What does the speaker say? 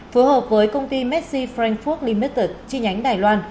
phối hợp với công ty messi frankfurt limited chi nhánh đài loan